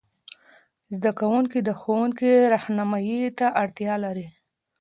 زده کوونکي د ښوونکې رهنمايي ته اړتیا لري.